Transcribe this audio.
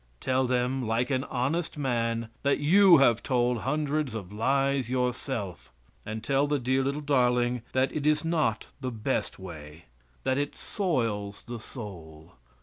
Tell them, like an honest man, that you have told hundreds of lies yourself, and tell the dear little darling that it is not the best way; that it soils the soul.